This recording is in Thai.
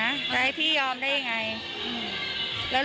ใจที่ให้พี่ยอมได้อย่างไร